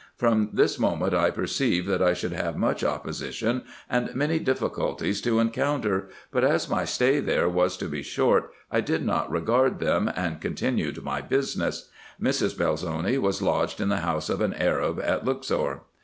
From this moment I perceived, that I should have much opposition and many difficulties to encounter ; but as my stay there was to be short, I did not regard them, and continued my business. Mrs. Belzoni was lodged in the house of an Arab at Luxor.